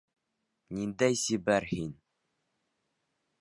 Ниндәй сибәр һин!